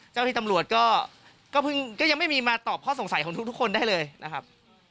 เจ้าที่ตำรวจก็ยังไม่มีมาตอบข้อสงสัยของทุกคนได้เลยนะครับ